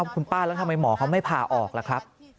คุณป้าแล้วทำไมหมอเขาไม่พาออกล่ะครับ